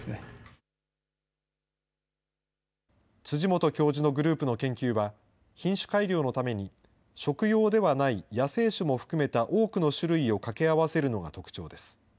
辻本教授のグループの研究は、品種改良のために食用ではない野生種も含めた多くの種類を掛け合わせるのが特徴です。